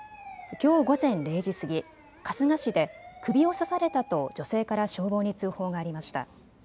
きょう午前０時過ぎ春日市で首を刺されたと女性から消防に通報がありました。